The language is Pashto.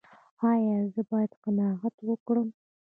ایا زه باید قناعت وکړم؟